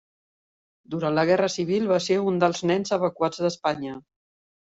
Durant la guerra civil va ser un dels nens evacuats d'Espanya.